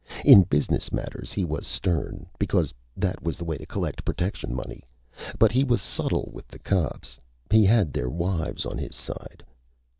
In business matters he was stern, because that was the way to collect protection money. But he was subtle with cops. He had their wives on his side.